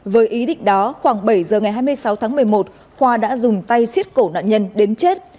với ý định đó khoảng bảy giờ ngày hai mươi sáu tháng một mươi một khoa đã dùng tay xiết cổ nạn nhân đến chết